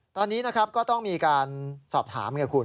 ตอนนี้ต้องมีการสอบถามกับคุณ